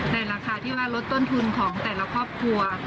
ราคาที่ว่าลดต้นทุนของแต่ละครอบครัว